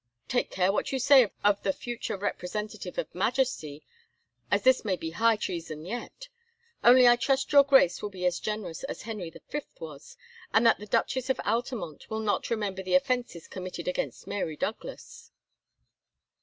"Take care what you say of the future representative of majesty of this may be high treason yet; only I trust your Grace will be as generous as Henry the Fifth was, and that the Duchess of Altamont will not remember the offences committed against Mary Douglas."